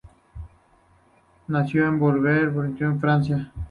Nació en Boulogne-Billancourt, Francia.